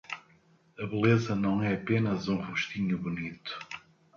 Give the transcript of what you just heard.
A beleza não é apenas um rostinho bonito.